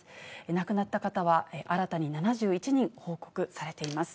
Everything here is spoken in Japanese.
亡くなった方は新たに７１人報告されています。